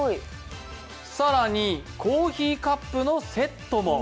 更にコーヒーカップのセットも。